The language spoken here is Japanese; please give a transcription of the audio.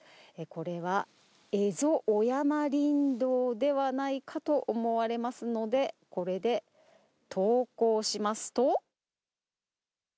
これは、エゾオヤマリンドウではないかと思われますので、これで投稿しますと。